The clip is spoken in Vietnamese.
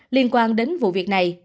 liên quan đến vụ việc này